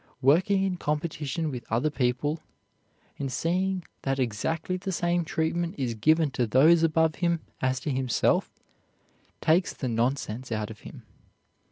Working in competition with other people, and seeing that exactly the same treatment is given to those above him as to himself, takes the nonsense out of him.